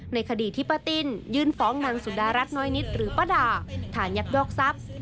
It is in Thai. ในคดีที่ป้าติ้นยื่นฟ้องนางสุดารัฐน้อยนิดหรือป้าด่าฐานยักยอกทรัพย์